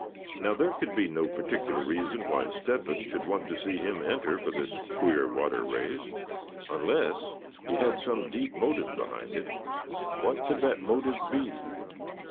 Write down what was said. Now, there could be no particular reason why Step hen should want to see him enter for this queer water race, unless he had some deep motive behind it. What could that motive be?